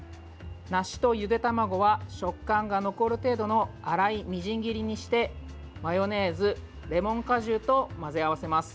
梨とゆで卵は、食感が残る程度の粗いみじん切りにしてマヨネーズ、レモン果汁と混ぜ合わせます。